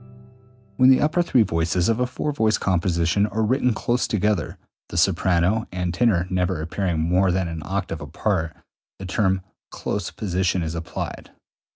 When the upper three voices of a four voice composition are written close together (the soprano and tenor never appearing more than an octave apart), the term close position is applied.